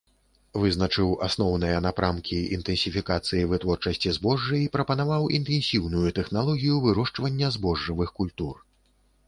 Вызначыў асноўныя напрамкі інтэнсіфікацыі вытворчасці збожжа і прапанаваў інтэнсіўную тэхналогію вырошчвання збожжавых культур.